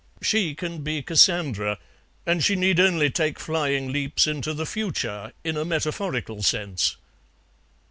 "She can be Cassandra, and she need only take flying leaps into the future, in a metaphorical sense."